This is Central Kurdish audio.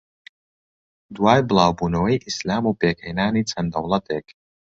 دوای بڵاوبونەوەی ئیسلام و پێکھێنانی چەند دەوڵەتێک